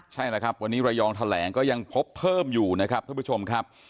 ใช่แล้วครับวันนี้ระยองแถลงก็ยังพบเพิ่มอยู่นะครับท่านผู้ชมครับ